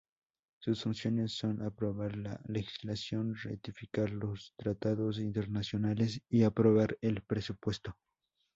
Sus funciones son aprobar la legislación, ratificar los tratados internacionales y aprobar el presupuesto.